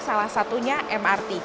salah satunya mrt